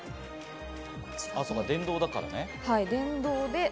電動だからね。